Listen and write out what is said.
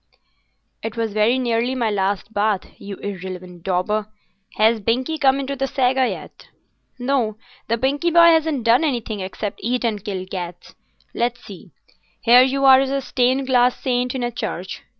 "It was very nearly my last bath, you irreverent dauber. Has Binkie come into the Saga yet?" "No; the Binkie boy hasn't done anything except eat and kill cats. Let's see. Here you are as a stained glass saint in a church.